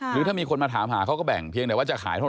หรือมีคนมาถามหาก็แบ่งเพียงแต่ว่าจะขายเท่าไหร่นั่นเอง